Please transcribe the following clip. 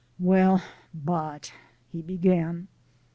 "Well, but " he began.